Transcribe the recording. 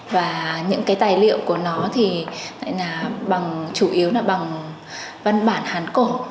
và những cái tài liệu của nó thì chủ yếu là bằng văn bản hán cổ